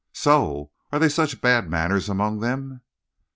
"So? Are there such bad manners among them?"